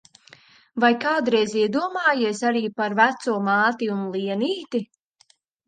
Vai kādreiz iedomājies arī par veco māti un Lienīti?